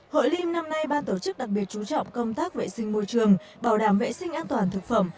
hội liêm năm nay ban tổ chức đặc biệt chú trọng công tác vệ sinh môi trường bảo đảm vệ sinh an toàn thực phẩm